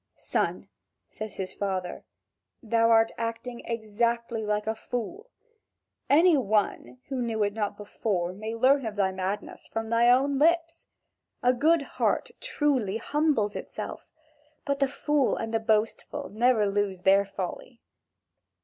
"Son," says his father, "thou art acting exactly like a fool. Any one, who knew it not before, may learn of thy madness from thy own lips. A good heart truly humbles itself, but the fool and the boastful never lose their folly.